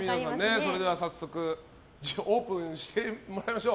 それでは早速オープンしてもらいましょう。